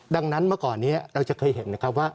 ดังนั้นเมื่อก่อนนี้เราจะเคยเห็นนะครับว่า